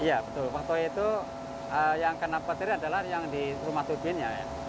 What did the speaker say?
iya betul waktu itu yang kena patir adalah yang di rumah turbin ya